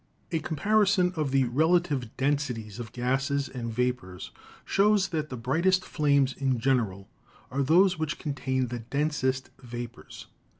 A comparison o f the relative densities of gases and vapors shows that the brightest flames in general are those which contain the densest vapors.